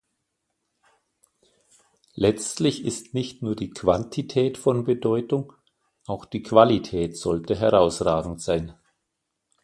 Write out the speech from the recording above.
Letztlich ist nicht nur die Quantität von Bedeutung, auch die Qualität sollte herausragend sein.